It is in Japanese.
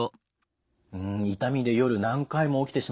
痛みで夜何回も起きてしまう。